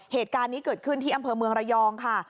เหตุการณ์นี้เกิดขึ้นที่อำเภอเมืองระยองค่ะ